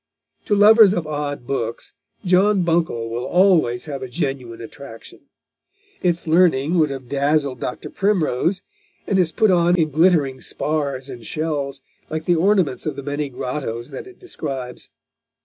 To lovers of odd books, John Buncle will always have a genuine attraction. Its learning would have dazzled Dr. Primrose, and is put on in glittering spars and shells, like the ornaments of the many grottoes that it describes.